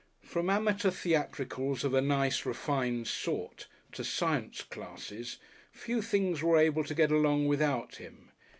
From amateur theatricals of a nice, refined sort to science classes, few things were able to get along without him.